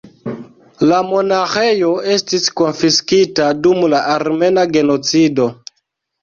La monaĥejo estis konfiskita dum la Armena genocido.